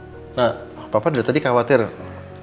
dia ngikutin kesini aja tapi papa udah liat kemana mana tadi gak ada pa